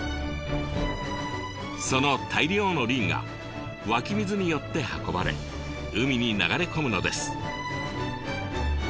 その大量のリンが湧き水によって運ばれ海に流れ込むのです。